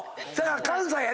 関西やね。